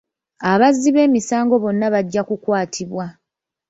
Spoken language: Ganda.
Abazzi b'emisango bonna bajja kukwatibwa.